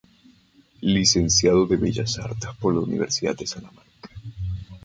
Licenciado en Bellas Artes por la Universidad de Salamanca.